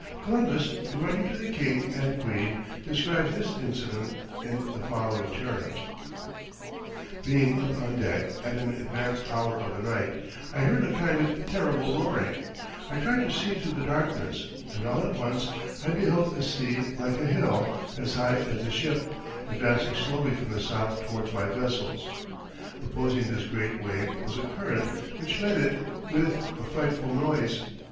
Columbus, in writing to the king and queen, describes this incident in the following terms: "Being up on deck, at an advanced hour of the night, I heard a kind of terrible roaring; I tried to see through the darkness, and all at once I beheld a sea like a hill, as high as the ship, advancing slowly from the south towards my vessels. Opposing this great wave was a current, which met it with a frightful noise.